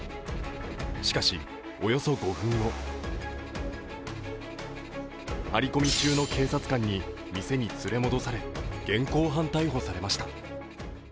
しかし、およそ５分後、張り込み中の警察官に店に連れ戻され現行犯逮捕されました。